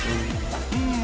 うん！